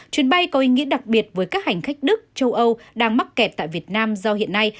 chuyến bay có ý nghĩa đặc biệt với các hành khách đức châu âu đang mắc kẹt tại việt nam do hiện nay